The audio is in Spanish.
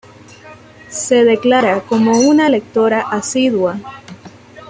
Se declara como una lectora asidua.